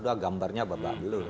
dua gambarnya babak belur